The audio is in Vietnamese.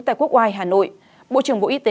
tại quốc oai hà nội bộ trưởng bộ y tế